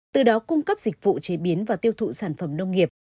từ đó cung cấp dịch vụ chế biến và tiêu thụ sản phẩm nông nghiệp